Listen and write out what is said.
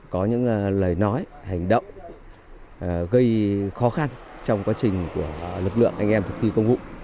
có những lời nói hành động gây khó khăn trong quá trình của lực lượng anh em thực thi công vụ